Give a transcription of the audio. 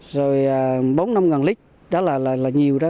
rồi bốn năm lít đó là nhiều đó